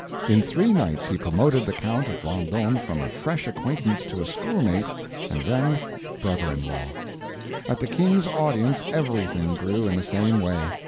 In three nights he promoted the Count of Vendome from a fresh acquaintance to a schoolmate, and then brother in law. At the King's Audience everything grew, in the same way.